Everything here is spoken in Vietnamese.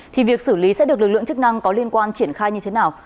thì việc xử lý sẽ được lực lượng chức năng có liên quan triển khai như thế nào